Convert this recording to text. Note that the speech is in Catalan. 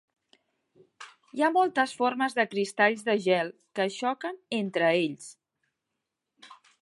Hi ha moltes formes de cristalls de gel que xoquen entre ells.